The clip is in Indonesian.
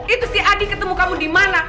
itu si adi ketemu kamu dimana